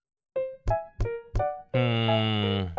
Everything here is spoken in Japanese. うん。